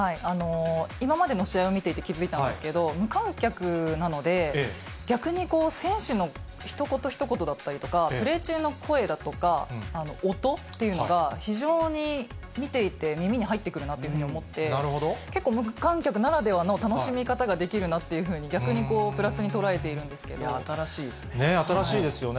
今までの試合を見ていて気付いたんですけれど、無観客なので、逆に選手のひと言ひと言だったりとか、プレー中の声だとか音というのが、非常に見ていて耳に入ってくるなっていうふうに思って、結構、無観客ならではの楽しみ方ができるなっていうふうに、逆にプラス新しいですね。